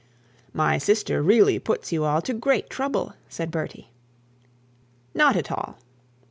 'My sister really puts you all to great trouble,' said Bertie. 'Not at all!'